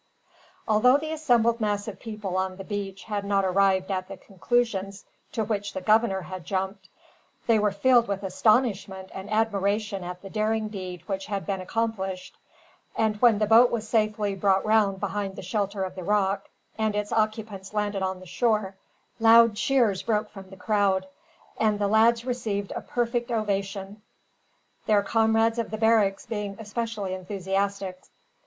Although the assembled mass of people on the beach had not arrived at the conclusions to which the governor had jumped, they were filled with astonishment and admiration at the daring deed which had been accomplished; and when the boat was safely brought round behind the shelter of the rock, and its occupants landed on the shore, loud cheers broke from the crowd; and the lads received a perfect ovation, their comrades of the barracks being especially enthusiastic.